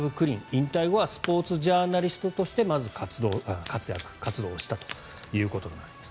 引退後はスポーツジャーナリストとしてまず活動をしたということです。